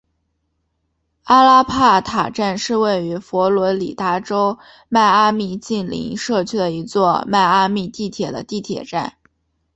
阿拉帕塔站是位于佛罗里达州迈阿密近邻社区的一座迈阿密地铁的地铁站。